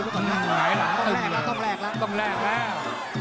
ต้องแรกแล้ว